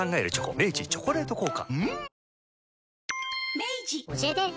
明治「チョコレート効果」